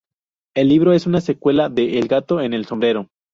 El libro es una secuela de "El gato en el sombrero".